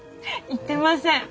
言ってません。